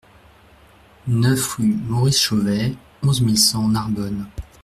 neuf rue Maurice Chauvet, onze mille cent Narbonne